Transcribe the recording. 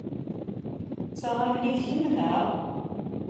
D taɣallit kemm, neɣ?